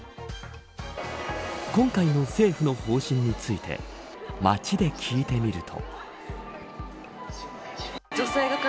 今回の政府の方針について街で聞いてみると。